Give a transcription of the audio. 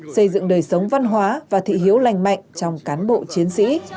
xây dựng đời sống văn hóa và thị hiếu lành mạnh trong cán bộ chiến sĩ